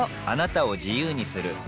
あなたを自由にする